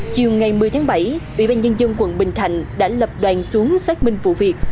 chiều ngày một mươi tháng bảy ủy ban nhân dân quận bình thạnh đã lập đoàn xuống xác minh vụ việc